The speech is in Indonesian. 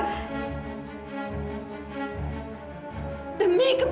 sekali lagi saya mohon diamban